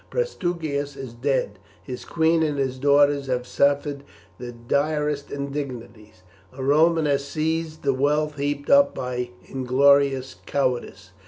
Prasutagus is dead; his queen and his daughters have suffered the direst indignities; a Roman has seized the wealth heaped up by inglorious cowardice.